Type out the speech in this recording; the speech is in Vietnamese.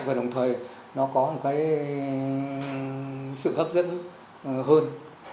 và đồng thời có sự hấp dẫn hơn